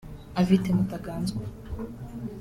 Avite Mutaganzwa